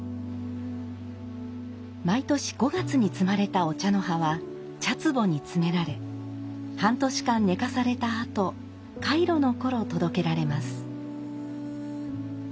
毎年５月に摘まれたお茶の葉は茶壺に詰められ半年間寝かされたあと開炉の頃届けられます。